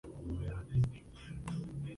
El trayecto dura escasos diez minutos.